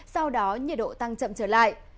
sau đó nhiệt độ tăng chậm trở lại